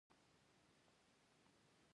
د سړک په مينځ کې مخ کښته ليکه روان شول.